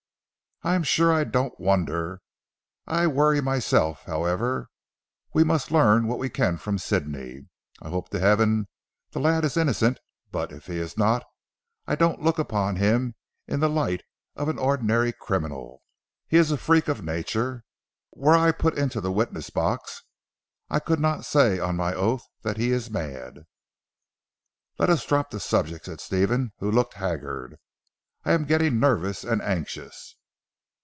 "I'm sure I don't wonder. I'm worried myself. However, we must learn what we can from Sidney. I hope to Heaven the lad is innocent, but if he is not, I don't look upon him in the light of an ordinary criminal. He is a freak of nature. Were I put into the witness box I could not say on my oath that he is mad." "Let us drop the subject," said Stephen who looked haggard, "I am getting nervous and anxious."